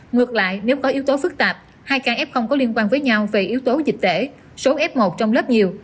ngược lại nếu có yếu tố phức tạp hai ca f có liên quan với nhau về yếu tố dịch tễ số f một trong lớp nhiều